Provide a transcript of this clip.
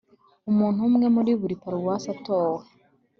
Umuntu umwe muri buri paruwase atowe